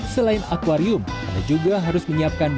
selain akwarium anda juga harus menyiapkan